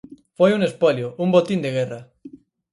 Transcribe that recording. Foi un espolio, un botín de guerra.